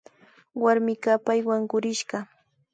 Warmi kawpay wankurishka